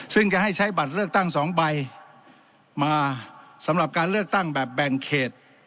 ซึ่งจะให้ใช้บัตรเลือกตั้ง๒ใบมาสำหรับการเลือกตั้งแบบแบ่งเขต